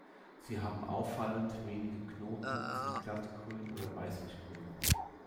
Sie haben auffallend wenige Knoten, sind glatt, grün oder weißlich grün.